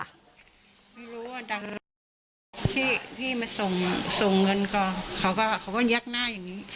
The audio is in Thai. ไม่รู้ว่าดังตั๊บที่พี่มาส่งเงินก็เขาก็ยักหน้าอย่างนี้